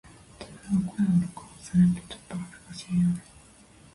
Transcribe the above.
自分の声を録音するってちょっと恥ずかしいよね🫣